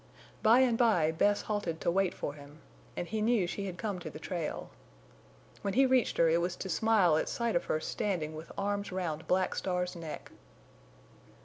By and by Bess halted to wait for him, and he knew she had come to the trail. When he reached her it was to smile at sight of her standing with arms round Black Star's neck.